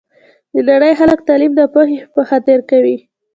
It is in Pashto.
د نړۍ خلګ تعلیم د پوهي په خاطر کوي